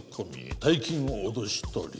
大金を脅し取り